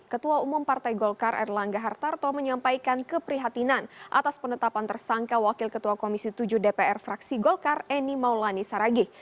ketua umum partai golkar erlangga hartarto menyampaikan keprihatinan atas penetapan tersangka wakil ketua komisi tujuh dpr fraksi golkar eni maulani saragih